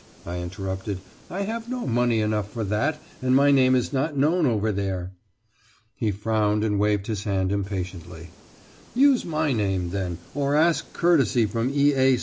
I interrupted, "I have not money enough for that and my name is not known over there!" He frowned and waved his hand impatiently. "Use my name, then, or ask courtesy from E. A.